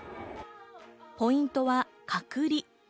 ポイントは隔離。